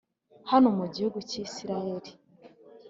hano mu gihugu cy`isirayeli